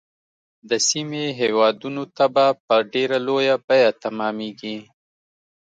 د سیمې هیوادونو ته به په ډیره لویه بیعه تمامیږي.